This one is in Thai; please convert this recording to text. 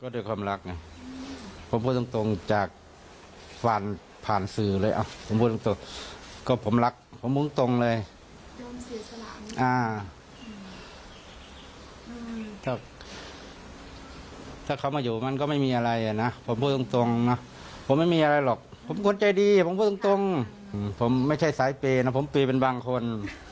เป็นบางคนสุขใจใครรักใครก็ไปคนนั้นรักเยอะก็ไปให้เยอะเลย